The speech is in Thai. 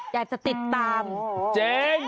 อยากจะติดตามเจ๊ง